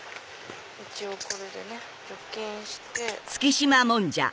一応これでね除菌して。